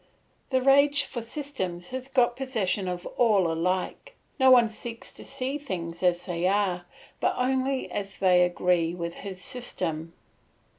The rage for systems has got possession of all alike, no one seeks to see things as they are, but only as they agree with his system.